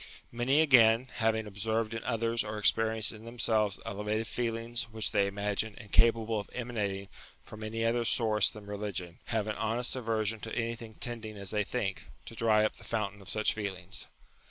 Many, again, having observed in others or experienced in themselves elevated feelings which they imagine incapable of emanating from any other source than religion, have an honest aversion to anything tending, as they think, to dry up the fountain of such feelings.